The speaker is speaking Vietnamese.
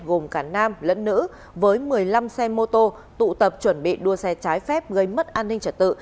gồm cả nam lẫn nữ với một mươi năm xe mô tô tụ tập chuẩn bị đua xe trái phép gây mất an ninh trật tự